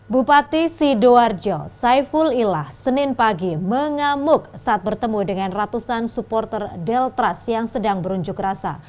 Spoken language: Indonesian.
bupati sidoarjo saiful ilah senin pagi mengamuk saat bertemu dengan ratusan supporter deltras yang sedang berunjuk rasa